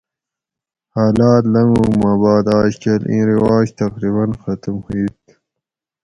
حالات لنگوگ ما باد آجکل ایں رواج تقریباً ختم ھیت